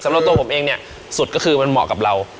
สำหรับตัวผมเองเนี่ยสุดก็คือมันเหมาะกับเรา